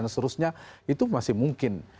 dan seterusnya itu masih mungkin